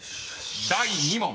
［第２問］